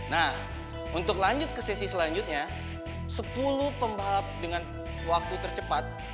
nah untuk lanjut ke sesi selanjutnya sepuluh pembalap dengan waktu tercepat